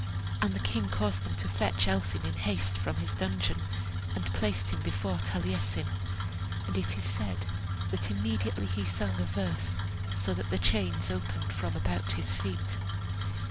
And the king caused them to fetch Elphin in haste from his dungeon, and placed him before Taliesin. And it is said that immediately he sung a verse, so that the chains opened from about his feet.